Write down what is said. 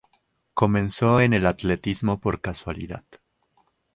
Comenzó en el atletismo por casualidad.